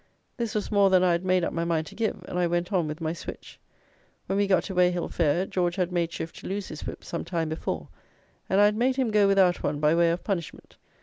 This was more than I had made up my mind to give, and I went on with my switch. When we got to Weyhill fair, George had made shift to lose his whip some time before, and I had made him go without one by way of punishment.